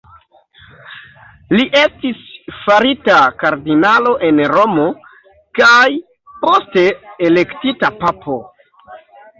Li estis farita kardinalo en Romo, kaj poste elektita papo.